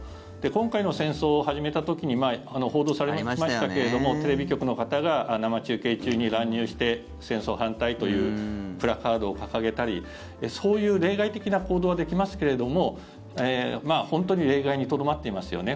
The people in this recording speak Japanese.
今回の戦争を始めた時に報道されてましたけれどもテレビ局の方が生中継中に乱入して戦争反対というプラカードを掲げたりそういう例外的な行動はできますけれども本当に例外にとどまっていますよね。